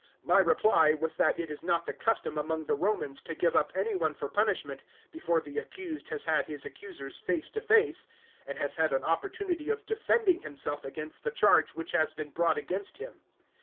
025:016 My reply was that it is not the custom among the Romans to give up any one for punishment before the accused has had his accusers face to face, and has had an opportunity of defending himself against the charge which has been brought against him.